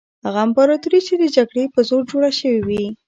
هغه امپراطوري چې د جګړې په زور جوړه شوې وي.